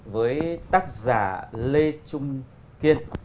với tác giả lê trung kiên